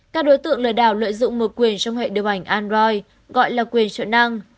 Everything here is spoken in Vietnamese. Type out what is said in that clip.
các đối tượng lừa đảo lợi dụng một quyền trong hệ điều hành android gọi là quyền trợ năng